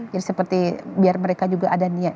jadi seperti biar mereka juga ada